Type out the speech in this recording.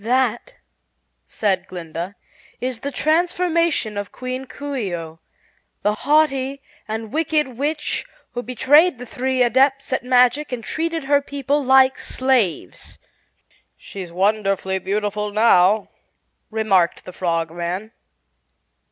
"That," said Glinda, "is the transformation of Queen Coo ce oh, the haughty and wicked witch who betrayed the three Adepts at Magic and treated her people like slaves." "She's wonderfully beautiful now," remarked the Frogman.